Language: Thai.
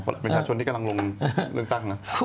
อ๋อเป็นประชาชนที่กำลังลงเรื่องตั้งนะ